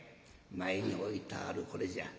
前に置いたあるこれじゃ。